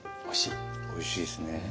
おいしいですね。